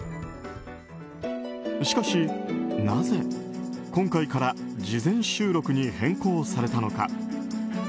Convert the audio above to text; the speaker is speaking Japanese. しかし、なぜ今回から事前収録に変更されたのか。